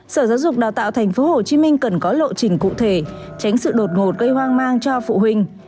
sở giáo dục đào tạo tp hcm cần có lộ trình cụ thể tránh sự đột ngột gây hoang mang cho phụ huynh